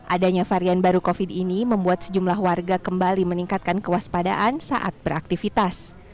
adanya varian baru covid ini membuat sejumlah warga kembali meningkatkan kewaspadaan saat beraktivitas